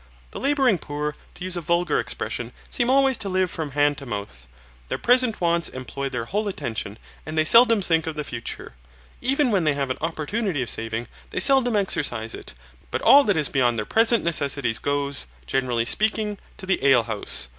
The labouring poor, to use a vulgar expression, seem always to live from hand to mouth. Their present wants employ their whole attention, and they seldom think of the future. Even when they have an opportunity of saving they seldom exercise it, but all that is beyond their present necessities goes, generally speaking, to the ale house.